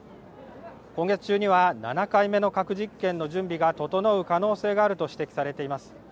今月中には７回目の核実験の準備が整う可能性があると指摘されています。